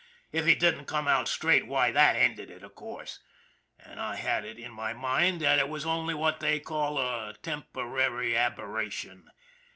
If he didn't come out straight why that ended it, of course; but I had it in my mind that it was only what they call a temporary aberration.